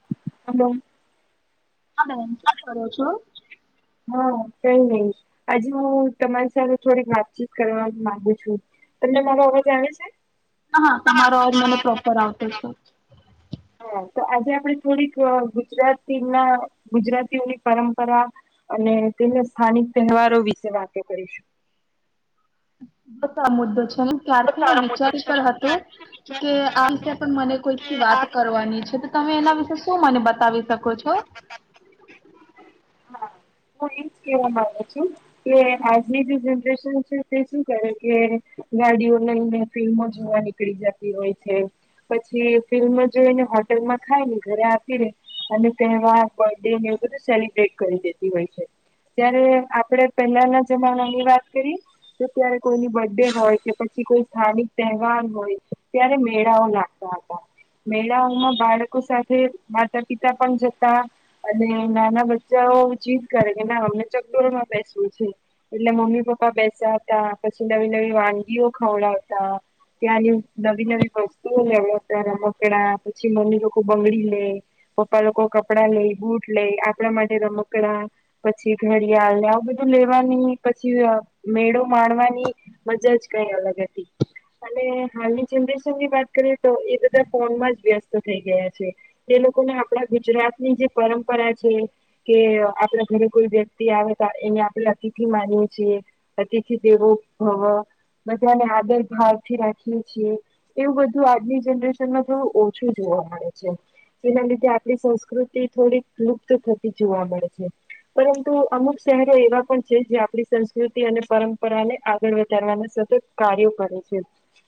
[unintelligible] હા બેન કેમ કરો છો. હા કઈ [unintelligible] આજે હું તમારી સાથે થોડીક વાતચીત કરવા મામાંગુ છું. તમને અવાજ મારો આવે છે. હા હા તમારોજ મને પ્રોપર આવતો છે. હા તો આજે આપડે થોડીક ગુજરાતી ના ગુજરાતીઓની પરંપરા. અને તેને સ્થાનિક તહેવારો વિશે વાતો કરીશું. [unintelligible] આ મુદ્દો છે હું ક્યારથી ને વિચારી પણ હતું કે આ વિશે પણ મને કોઈ વાત કરવાની છે, તો તમે એના વિશે શું મને બતાવી શકો છો. હા હું એજ કેવા માંગુ છું. કે આજની જે જનરેશન છે, તે શું કરે કે. ગાડીઓ લઈ ને ફિલ્મમાં જોવા નીકળી જતી હોય છે. પછી ફિલ્મ જોઈને હોટેલમાં ખાય ને ઘરે આપી ને. અને કહેવાર બર્થડે ને એવું બધું સેલિબ્રેટ કરી દેતી હોય છે. ત્યારે આપડે પેલાના જમાના ની વાત કરી. જો ત્યારે કોઈની બર્થ ડે હોય કે પછી કોઈ સ્થાનિક તહેવાર હોય ત્યારે મેળાઓ લાગે. [unintelligible] મેલાઓમાં બાળકો સાથે માતા પિતા પણ જતા અને નાના બ ચા ઓ જીદ કરે કે ના અમને ચકડોરમાં બેસવું છે. એટલે મમ્મી પપ્પા બેસ્યા હતા પછી નવી નવી વાનગીઓ ખવડાવતા ત્યાંની નવી નવી વસ્તુઓ લેવડાવતા રમકડા પછી મને લોકો બંગડી લે પપ્પા લોકો કપડા લઈ બુટ લઈ આપણા માટે રમકડા પછી ઘડિયાળને આવું બધું લેવાની પછી મેળો માણવાની મજા જ કઈ અલગ હતી અને હાલની જનરેશન ની વાત કરીએ તો એ બધા ફોન માં જ વ્યસ્ત થઈ ગયા છે જે લોકોને આપડા ગુજરાતની જે પરંપરા છે કે આપડા ઘરે કોઈ વ્યક્તિ આવે તે એને આપડણે અતિથથી માનીએ છીએ અતિથી દેવો બધાને આદર ભાવથી રાખીએ છીએ એવું બધું આજની જનરેશનમાં થોડું ઓછું જોવા મળે છે એના લીધે આપડી સંસ્કૃતિ થોડીક લુપ્ત થતી જોવા મળે છે. પરંતુ અમુક શહેરો એવા પણ છે જે આપણી સંસ્કૃતિ અને પરંપરાને આગળ વધારવાના સતત કાર્યો કરે છે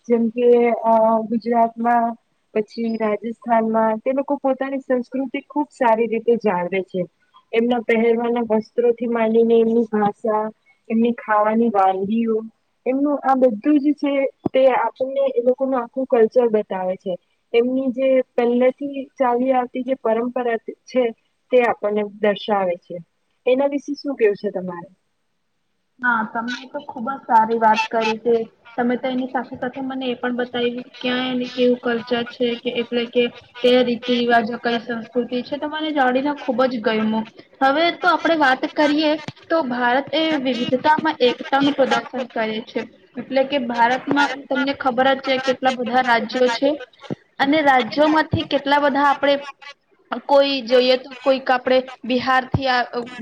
જેમ કે અ ગુજરાતમાં પછી રાજસ્થાન માં તે લોકો પોતાની સંસ્કૃતિ ખુબ સારી રીતે જાળવે છે. એમના પહેરવાના વસ્ત્રોથી માંનીને એમની ભાષા એમની ખાવાની વાગીઓ એમનું આ બધું જ છે તે આપણને એ લોકોનું આખું કલ્ચર બતાવે છે. એમની જે પહેલેથી ચલી આવતી જે પરંપરા છે તે ને દર્શાવે છે એના વિશે શું કેવું છે તમારે હા તમને તો ખુબ જ સારી વાત કરી છે તમે તો એની સાથે સાથે મને પણ બતાવ્યું ક્યાં એને કેવું ખર્ચા છે કે એટલે કે કયા રીતિ રિવાજો કઈ સંસ્કૃતિ છે તો જાણીને ખુબ જ ગયમું હવે તો આપડણે વાત કરીએ તો ભારત એ વિવિ છતા આમાં એકતા નું પ્રદર્શન કરે છે એટલે કે ભારતમાં તમને ખબર જ છેાય કેટલા બધા રાજ્યો છે. અને રાજ્યોમાંથી કેટલા બધા આપડે કોઈ જોઈએ તો કોઈક આપડે બિહાર થી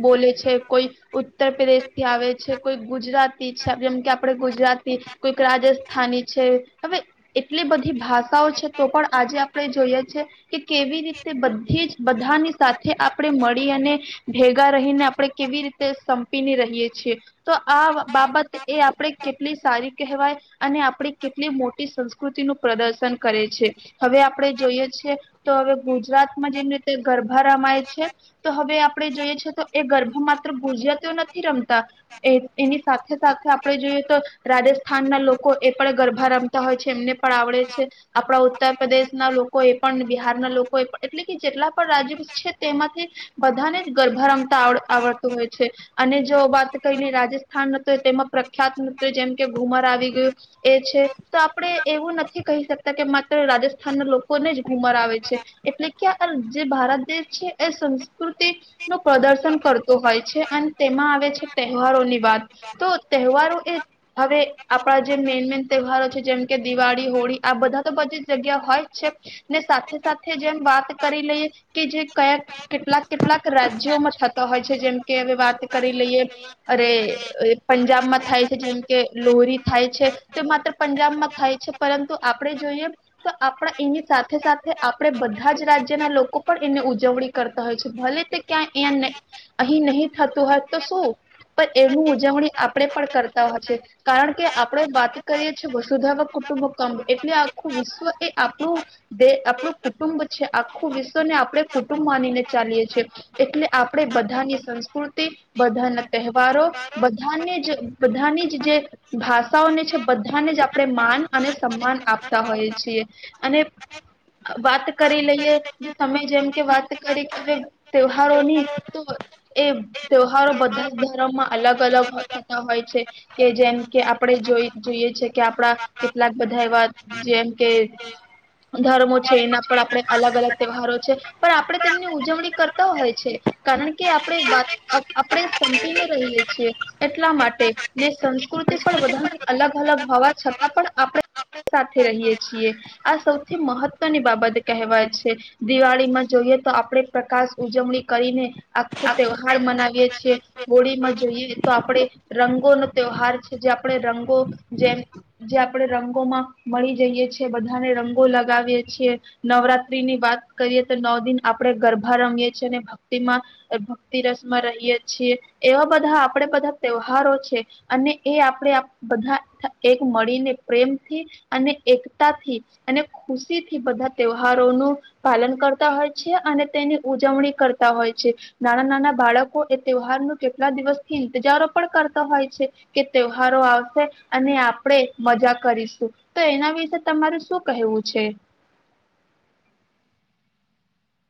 બોલે છે કોઈ ઉત્તર પ્રદેશ થી આવે છે. છે કોઈ ગુજરાતી છે જેમ કે આપણે ગુજરાતી કોઈક રાજસ્થાની છે હવે. એટલી બધી ભાષાઓ છે તો પણ આજે આપણે જોઈએ છે. કે કેવી રીતે બધી જ બધાની સાથે આપણે મળી અને ભેગા રહીને આપડણે કેવી રીતે સંપીને રહીએ છીએ તો આ બાબત એ આપણેે કેટલી સારી કહેવાય અને આપણે કેટલી મોટી સંસ્કૃતિ નું પ્રદર્શન કરે છે. હવે આપણેે જોઈએ છીએ તો હવે ગુજરાતમાં જેમ રીતે ગરભા રમાય છે. તો હવે આપણે જોઈએ છે તો એ ગર્ભ માત્ર ભુજિયા તો નથી રમતા એ એની સાથે સાથે આપડણે જોઈએ તો રાજસ્થાન ના લોકો એ પણ ગર્ભાારમ હોય છે એમને પણ આવડે છે. આપણા ઉત્તર પ્રદેશના લોકો એ પણ બિહારના લોકો એ પણ એટલે કે જેટલા પણ રાજ્ય છે તેમાંથી બધાને જ ગરભા રમતા આવ આવડતું હોય છે અને જો વાત કઈને રાજસ્થાન ન તેમાં પ્રખ્યાત ન જેમ કે ઘુમર આવી ગયું એ છે તો આપણે એવું નથી કહી શકતા કે માત્ર રાજસ્થાનના લોકોને જ ઘુમર આવે છે એટલે કે જે ભારત દેશ છે એ સંસ્કૃતિ નું પ્રદર્શન કરતો હોય છે અને તેમાં આવે છે તહેવારોની વાત તો તહેવારો એ હવે આપણા જે મેન મેન તહેવારો છે જેમ કે દિવાળી હોળી આ બધા તો બધી જ જગ્યા હોય જ છે ને સાથે સાથે જેમ વાત કરી લઈએ કે જે કયાક કેટલાક કેટલાક રાજ્યોમાં થતા હોય છે જેમ કે હવે વાત કરી લઈએ અરે એ પંજાબમાં થાય છે જેમ કે લોહરી થાય છે તો એ માત્ર પંજાબમાં થાય છે પરંતુ આપણેે જોઈએ તો આપણા એની સાથે સાથે આપણે બધા જ રાજ્યના લોકો પણ એને ઉજવણી કરતા હોય છે ભલે તે ક્યાં અં અહી નહી થતું હોય તો શું પણ એનું ઉજવણી આપણેે પણ કરતા હોય છે કારણ કે આપડે વાત કરીએ છીએ વસુધાવ કુટુંબ કડ એટલે આખું વિશ્વ એ આપણું દ આપણું કુટુંબ છે આખું વિશ્વને આપણે કુટુંબ માનીને ચાલીએ છીએ એટલે આપણેે બધાની સંસ્કૃતિ બધા નથી તહેવારો બધાને જ બધાની જ જે ભાષાઓને છે બધાને જ આપણે માન અને સન્માન આપતા હોએ છીએ અને વાત કરી લઈએ જો તમે જેમ કે વાત કરી હવે તહેહારો નની તો એ ત્યહારો બધા ધર્મ માં અલગ અલગ થતા હોય છે કે જેમ કે આપણે જોઈ જોઈએ છે કે આપડા કેટલાક બધા એવા જેમ કે ધર્મો છે એના પણ આપણે અલગ અલગ તહેવારો છે પણ આપણે તેમની ઉજવણી કરતા હોય છે કારણ કે આપણે વાત આપણે ને રહીએ છીએ એટલા માટે ને સંસ્કૃતિ પણ બધાની અલગ અલગ હોવા છતાં પણ આપણે સાથે રહીએ છીએ આ સૌથી મહત્વની બાબત કહેવાય છે દિવાળી માં જોઈએ તો આપણેે પ્રકાશ ઉજવણી કરીને આખું તહેવાર મનાવીએ છીએ હોળીમાં જોઈએ તો આપણેે રંગોનો ત્યોહાર છે જે આપણે રંગો જેમ જે આપણેે રંગોમાં મળી જઈએ છીએ બધાને રંગો લગાવીએ છીએ નવરાત્રીની વાત કરીએ તો નવ દિન આપડે ગરબા રમીએ છીએ અને તેમાં ભક્તિ રસ માં રહીએ છીએ એવા બધા આપડે બધા તહેવારો છે અને એ આપણે બધા એક મળીને પ્રેમથી અને એકતાથી અને ખુશી થી બધા તહેવારોનું પાલન કરતા હોય છે અને તેની ઉજવણી કરતા હોય છે નાના નાના બાળકો એ તહેવારનો કેટલા દિવસથી ઈંતજારો પણ કરતા હોય છે કે તહેવારો આવશે અને આપણેે મજા કરીશું તો એના વિશે તમાર શું કહેવું છે